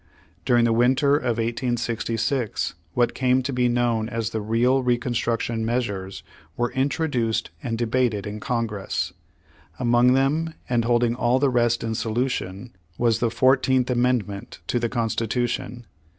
During the winter of 1866, what came to be knov/n as the real Reconstruction measures were introduced and debated in Congress. Among them, and holding all the rest in solution, was the Fourteenth Amendment to the Constitution.